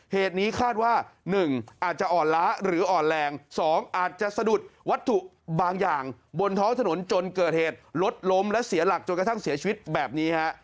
เหตุนี้คาดว่า๑อาจจะอ่อนล้าหรืออ่อนแรง๒อาจจะสะดุดวัตถุบางอย่างบนท้องถนนจนเกิดเหตุรถล้มและเสียหลักจนกระทั่งเสียชีวิตแบบนี้ฮะ